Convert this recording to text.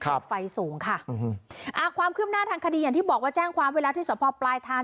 ครับไฟสูงค่ะอ่าความคืบหน้าทางคดีอย่างที่บอกว่าแจ้งความเวลาที่ส่วนพอปลายทาง